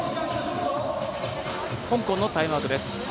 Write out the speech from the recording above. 香港のタイムアウトです。